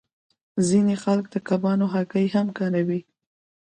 ځینې خلک د کبانو هګۍ هم کاروي